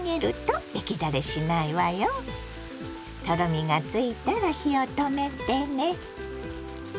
とろみがついたら火を止めてね。